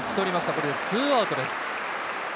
これで２アウトです。